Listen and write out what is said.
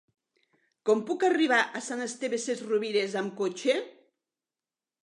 Com puc arribar a Sant Esteve Sesrovires amb cotxe?